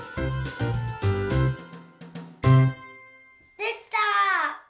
できた！